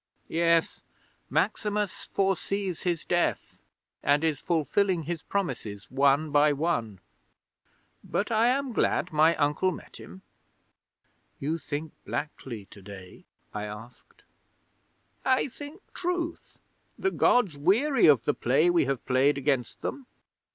Yes, Maximus foresees his death, and is fulfilling his promises one by one. But I am glad my uncle met him."' '"You think blackly to day?" I asked. '"I think truth. The Gods weary of the play we have played against them.